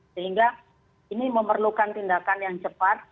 sehingga ini memerlukan tindakan yang cepat